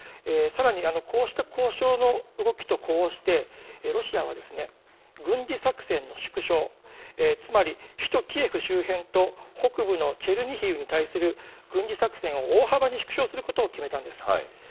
さらに、こうした交渉の動きと呼応して、ロシアは軍事作戦の縮小、つまり、首都キエフ周辺と北部のチェルニヒウに対する軍事作戦を大幅に縮小することを決めたんです。